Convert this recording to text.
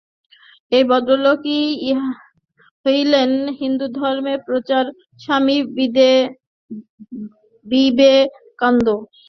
এই ভদ্রলোকই হইলেন হিন্দুধর্মের প্রচারক স্বামী বিবে কানন্দ।